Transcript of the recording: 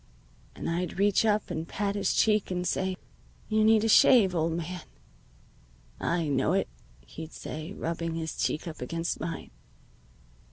And I'd reach up and pat his cheek and say, 'You need a shave, old man.' "'I know it,' he'd say, rubbing his cheek up against mine.